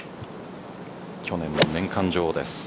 去年の年間女王です。